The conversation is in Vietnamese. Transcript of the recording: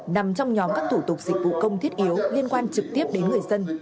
nằm trong nhóm các thủ tục dịch vụ công thiết yếu liên quan trực tiếp đến người dân